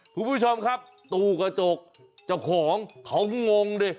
คุณผู้ชมครับตู้กระจกเจ้าของเขางงดิ